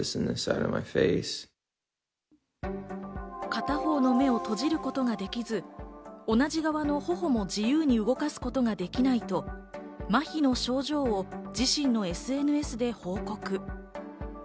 片方の目を閉じることができず、同じ側の頬も自由に動かすことができないと、麻痺の症状を自身のＳＮＳで報告。